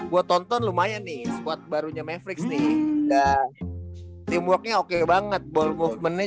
buat tonton lumayan nih buat barunya netflix nih udah timbuknya oke banget ball movement